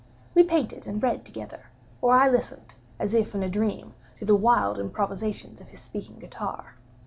We painted and read together; or I listened, as if in a dream, to the wild improvisations of his speaking guitar.